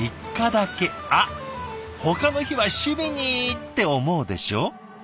あっほかの日は趣味にって思うでしょ？